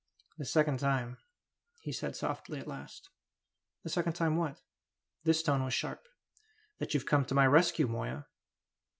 "The second time," he said softly at last. "The second time what?" This tone was sharp. "That you've come to my rescue, Moya."